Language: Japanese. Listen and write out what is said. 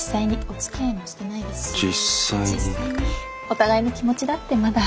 お互いの気持ちだってまだ。